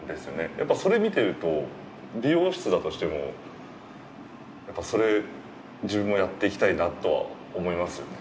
やっぱりそれ見ていると美容室だとしてもやっぱりそれ自分もやっていきたいなと思いますよね